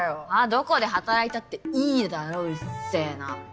どこで働いたっていいだろうっせーな。